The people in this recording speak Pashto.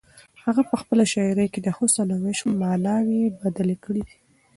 هغه په خپله شاعري کې د حسن او عشق ماناوې بدلې کړې دي.